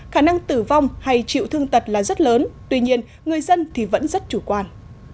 khả năng tử vong hay chịu thương tật là rất lớn tuy nhiên người dân thì vẫn rất chủ quan